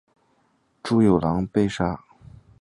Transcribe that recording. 朱由榔被杀。